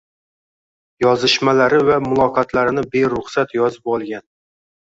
Yozishmalari va muloqotlarini beruxsat yozib olgan